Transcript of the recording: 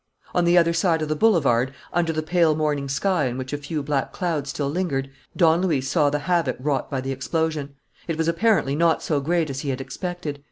On the other side of the boulevard, under the pale morning sky in which a few black clouds still lingered, Don Luis saw the havoc wrought by the explosion. It was apparently not so great as he had expected.